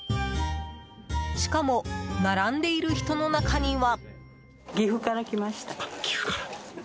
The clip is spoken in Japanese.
しかも並んでいる人の中には。